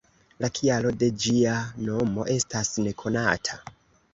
La kialo de ĝia nomo estas nekonata...